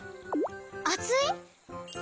あつい？